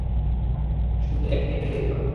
শুধু এখানেই দাঁড়িয়ে থাকো।